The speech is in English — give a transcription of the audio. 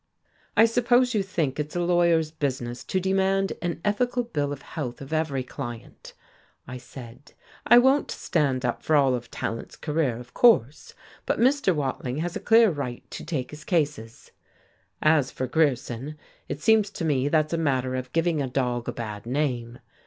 "I suppose you think it's a lawyer's business to demand an ethical bill of health of every client," I said. "I won't stand up for all of Tallant's career, of course, but Mr. Wading has a clear right to take his cases. As for Grierson, it seems to me that's a matter of giving a dog a bad name.